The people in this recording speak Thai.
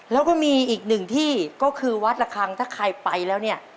แล้วก็มีอีกหนึ่งที่ก็คือวัดระคังถ้าใครไปแล้วเนี่ย